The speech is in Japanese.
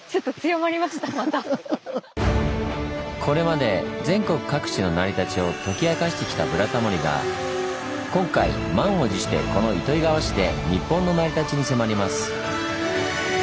これまで全国各地の成り立ちを解き明かしてきた「ブラタモリ」が今回満を持してこの糸魚川市で日本の成り立ちに迫ります。